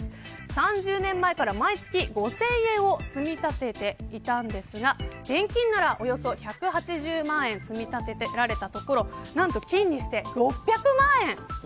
３０年前から毎月５０００円を積み立てていたんですが現金なら、およそ１８０万円積み立てられたところ何と、金にして６００万円。